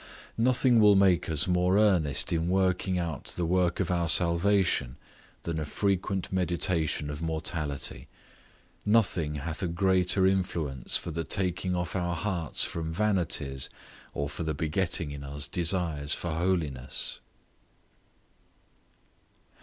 Nothing will make us more earnest in working out the work of our salvation than a frequent meditation of mortality; nothing hath a greater influence for the taking off our hearts from vanities, and for the begetting in us desires for holiness.